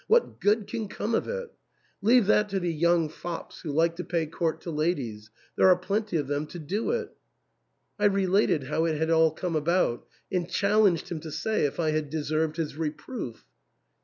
" What good can come of it ? Leave that to the young fops who like to pay court to ladies ; there are plenty of them to do it." I related how it had all come about, and challenged him to say if I had deserved his reproof.